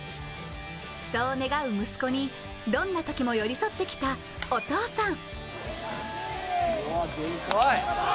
そう願う息子に、どんなときも寄り添ってきたお父さん。